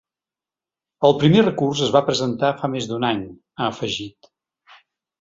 El primer recurs es va presentar fa més d’un any, ha afegit.